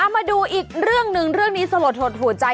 มาดูอีกเรื่องหนึ่งเรื่องนี้สลดหดหัวใจ